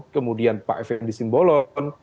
kemudian pak effendi simbolon